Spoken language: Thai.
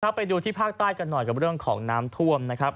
ไปดูที่ภาคใต้กันหน่อยกับเรื่องของน้ำท่วมนะครับ